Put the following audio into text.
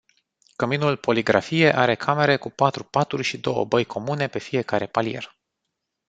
Căminul Poligrafie are camere cu patru paturi și două băi comune pe fiecare palier.